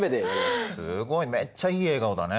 すごいめっちゃいい笑顔だね。